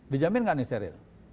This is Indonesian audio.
dijamin gak ini steril